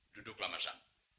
duduklah mas sam